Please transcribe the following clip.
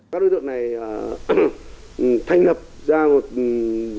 các đối tượng này thành lập ra một doanh nghiệp